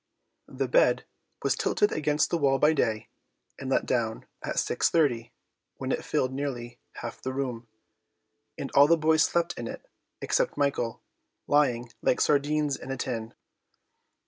The bed was tilted against the wall by day, and let down at 6:30, when it filled nearly half the room; and all the boys slept in it, except Michael, lying like sardines in a tin.